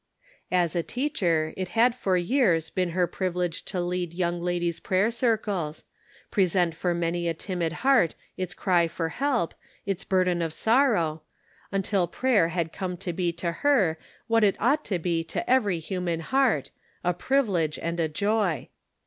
As a .teacher it had for 3*ears been her privi lege to lead young ladies' prayer circles ; pre sent for many a timid heart its cry for help, its burden of sorrow, until prayer had come to be to her what it ought to be to every human heart, a privilege and a joy.